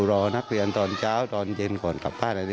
รอนักเรียนตอนเช้าตอนเย็นก่อนกลับบ้านอะไร